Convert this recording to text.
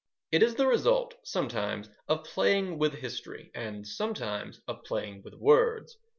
It is the result, sometimes, of playing with history and, sometimes, of playing with words.